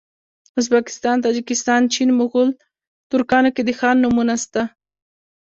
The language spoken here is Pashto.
ازبکستان تاجکستان چین مغول ترکانو کي د خان نومونه سته